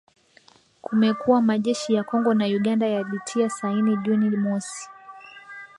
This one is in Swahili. kumekuwa majeshi ya Kongo na Uganda yalitia saini Juni mosi